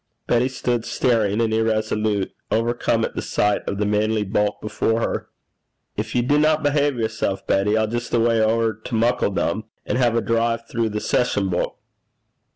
Betty stood staring and irresolute, overcome at sight of the manly bulk before her. 'Gin ye dinna behave yersel', Betty, I'll jist awa' ower to Muckledrum, an' hae a caw (drive) throu the sessions buik.'